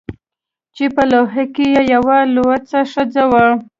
چې په لوحه کې یې یوه لوڅه ښځه وي